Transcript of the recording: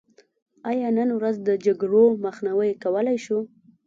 آیا نن ورځ د جګړو مخنیوی کولی شو؟